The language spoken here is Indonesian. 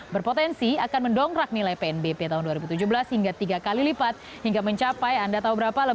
berpotensi akan mendongkrak nilai pnbp tahun dua ribu tujuh belas hingga tiga kali lipat hingga mencapai anda tahu berapa